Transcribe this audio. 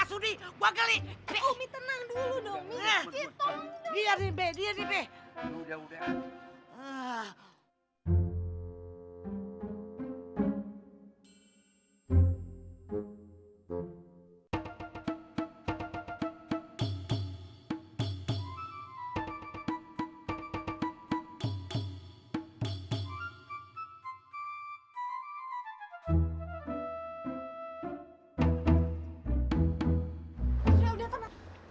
siapa juga yang mau kenal